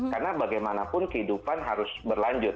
karena bagaimanapun kehidupan harus berlanjut